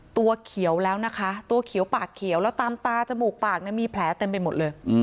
ตัวเขียวแล้วนะคะตัวเขียวปากเขียวแล้วตามตาจมูกปากมีแผลเต็มไปหมดเลย